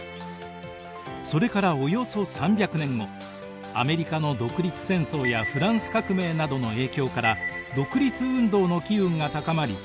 それからおよそ３００年後アメリカの独立戦争やフランス革命などの影響から独立運動の機運が高まり